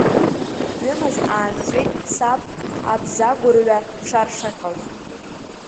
Ҩымыз аанҵәеит саб абза гәырҩа дшаршаҟьоз.